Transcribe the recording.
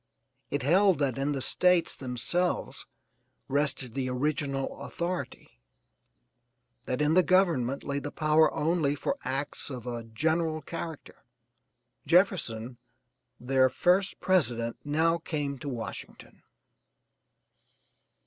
It held that in the States themselves rested the original authority, that in the government lay the power only for acts of a general character. Jefferson, their first president, now came to Washington.